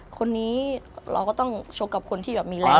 คนนี้เราก็ต้องโชคกับคนที่แบบมีแรงเลยค่ะ